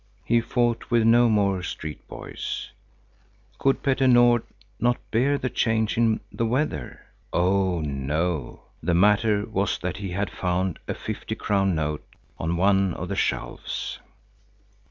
He fought with no more street boys. Could Petter Nord not bear the change in the weather? Oh no, the matter was that he had found a fifty crown note on one of the shelves.